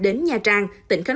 đến nha trang